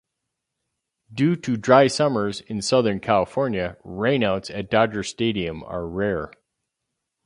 Due to dry summers in Southern California, rainouts at Dodger Stadium are rare.